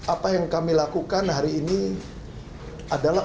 apa yang kami lakukan hari ini adalah